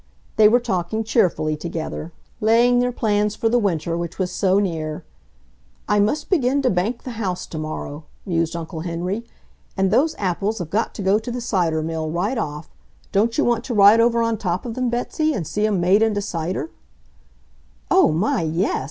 They were talking cheerfully together, laying their plans for the winter which was so near. "I must begin to bank the house tomorrow," mused Uncle Henry. "And those apples have got to go to the cider mill, right off. Don't you want to ride over on top of them, Betsy, and see 'em made into cider?" "Oh, my, yes!"